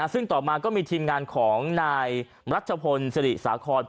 ซึ่งต่อมาก็มีทีมงานของนายรัชพลศรีสาคอน